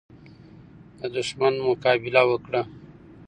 د دښمن مقابله وکړه.